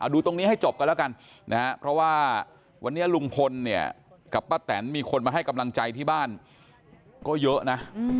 ดูตรงนี้ให้จบกันแล้วกันนะครับเพราะว่าวันนี้ลุงพลเนี่ยกับป้าแตนมีคนมาให้กำลังใจที่บ้านก็เยอะนะ